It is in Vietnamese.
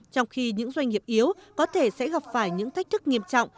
trong khi những doanh nghiệp yếu có thể sẽ gặp phải những thách thức nghiêm trọng